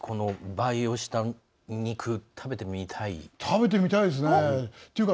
培養した肉食べてみたいですか？